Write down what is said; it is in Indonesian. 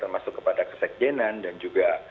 termasuk kepada kesekjenan dan juga